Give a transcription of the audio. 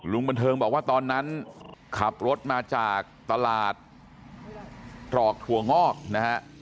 บันเทิงบอกว่าตอนนั้นขับรถมาจากตลาดตรอกถั่วงอกนะฮะ